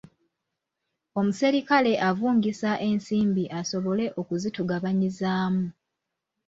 Omuserikale avungisa ensimbi asobole okuzitugabanyizaamu.